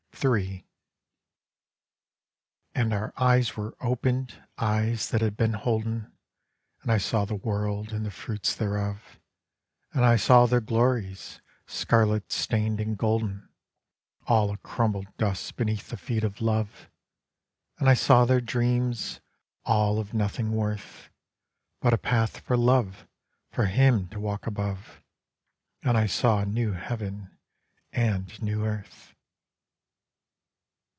III (_And our eyes were opened; eyes that had been holden. And I saw the world, and the fruits thereof. And I saw their glories, scarlet stained and golden, All a crumbled dust beneath the feet of Love. And I saw their dreams, all of nothing worth; But a path for Love, for Him to walk above, And I saw new heaven, and new earth.